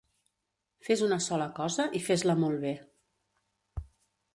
Fes una sola cosa i fes-la molt bé